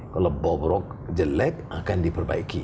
kalau bobrok jelek akan diperbaiki